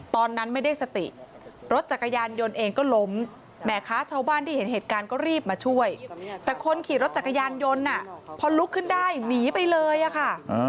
ตอนนั้นไม่ได้สติรถจักรยานยนต์เองก็ล้มแห่ค้าชาวบ้านที่เห็นเหตุการณ์ก็รีบมาช่วยแต่คนขี่รถจักรยานยนต์พอลุกขึ้นได้หนีไปเลยอะค่ะ